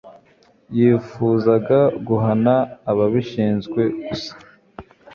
Yifuzaga guhana ababishinzwe gusa